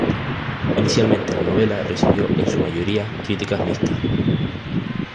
Inicialmente la novela recibió en su mayoría críticas mixtas.